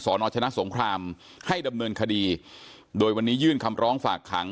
นชนะสงครามให้ดำเนินคดีโดยวันนี้ยื่นคำร้องฝากขัง